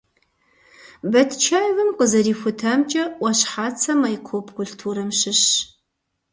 Батчаевым къызэрихутамкӀэ, Ӏуащхьацэ майкоп культурэм щыщщ.